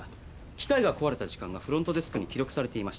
機械が壊れた時間がフロントデスクに記録されていました。